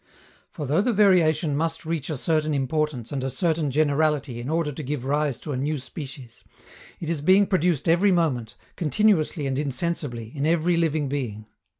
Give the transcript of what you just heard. For, though the variation must reach a certain importance and a certain generality in order to give rise to a new species, it is being produced every moment, continuously and insensibly, in every living being.